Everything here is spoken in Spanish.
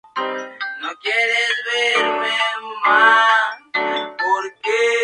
Comenzó su carrera cuando se unió al servicio exterior iraní.